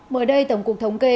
mới đây tổng cục thống kê